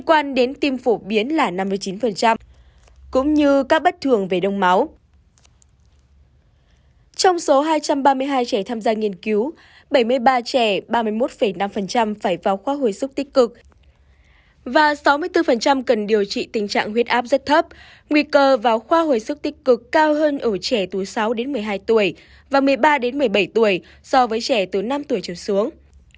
sáu mươi bốn cần điều trị tình trạng huyết áp rất thấp nguy cơ vào khoa hồi sức tích cực cao hơn ở trẻ tuổi sáu một mươi hai tuổi và một mươi ba một mươi bảy tuổi so với trẻ tuổi năm tuổi trở xuống